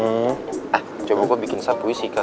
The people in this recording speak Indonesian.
ah coba gue bikin satu puisi kelas